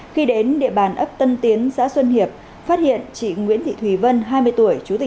khi đến địa bàn ấp tân tiến xã xuân hiệp phát hiện chị nguyễn thị thùy vân hai mươi tuổi chú tỉnh